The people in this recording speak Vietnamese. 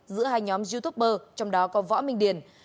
giữa hai nhóm youtuber trong đó có võ minh điền